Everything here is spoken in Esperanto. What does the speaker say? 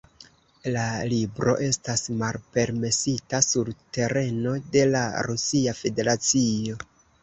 La libro estas malpermesita sur tereno de la Rusia Federacio.